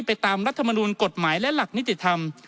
ตามรัฐมนูลกฎหมายและหลักนิติธรรม